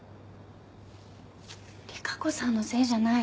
利佳子さんのせいじゃない。